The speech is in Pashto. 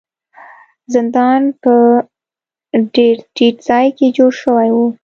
زندان په ډیر ټیټ ځای کې جوړ شوی و.